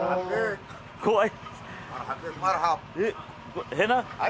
怖い。